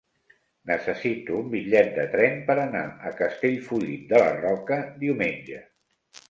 Necessito un bitllet de tren per anar a Castellfollit de la Roca diumenge.